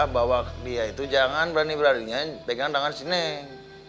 bahwa dia itu jangan berani beraninya pegang tangan si nek